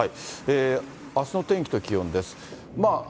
あすの天気と気温です。